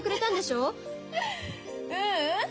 ううん。